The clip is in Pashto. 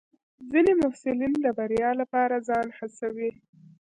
ځینې محصلین د بریا لپاره ځان هڅوي.